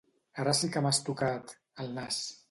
Ara sí que m'has tocat... el nas.